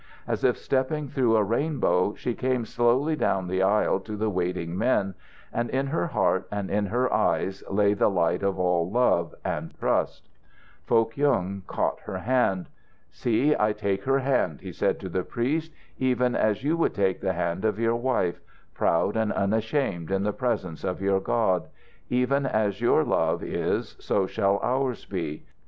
As if stepping through a rainbow, she came slowly down the aisle to the waiting men, and in her heart and in her eyes lay the light of all love and trust. Foh Kyung caught her hand. "See, I take her hand," he said to the priest, "even as you would take the hand of your wife, proud and unashamed in the presence of your God. Even as your love is, so shall ours be.